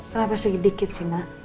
kenapa sedikit sedikit sih ma